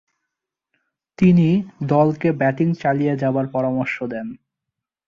তিনি দলকে ব্যাটিং চালিয়ে যাবার পরামর্শ দেন।